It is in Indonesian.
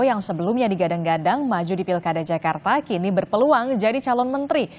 yang sebelumnya digadang gadang maju di pilkada jakarta kini berpeluang jadi calon menteri